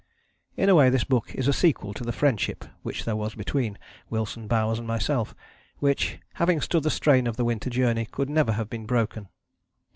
In a way this book is a sequel to the friendship which there was between Wilson, Bowers and myself, which, having stood the strain of the Winter Journey, could never have been broken.